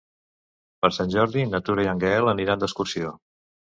Per Sant Jordi na Tura i en Gaël aniran d'excursió.